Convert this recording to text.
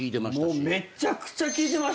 めっちゃくちゃ聴いてました！